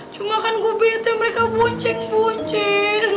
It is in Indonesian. cuma kan gue bete mereka buncing buncing